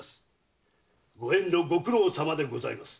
ご遠路ご苦労様でございます。